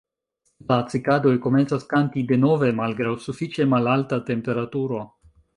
La Cikadoj komencas kanti denove malgraŭ sufiĉe malalta temperaturo.